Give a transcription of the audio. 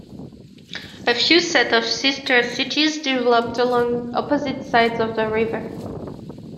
A few sets of "sister cities" developed along opposite sides of the river.